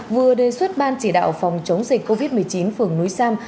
vừa đề xuất ban chỉ đạo phòng chống dịch covid một mươi chín phường núi sam